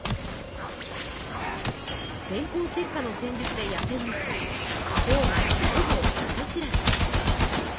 電光石火の戦術で野戦に勝ちしょうがいほぼ負け知らず。